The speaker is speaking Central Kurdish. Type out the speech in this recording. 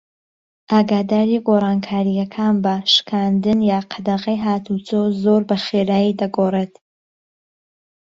ئاگاداری گۆڕانکارییەکان بە - شکاندن یان قەدەغەی هاتووچۆ زۆر بەخێرایی دەگۆڕێت.